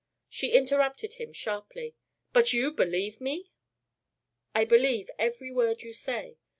She interrupted him sharply: "But you believe me?" "I believe every word you say.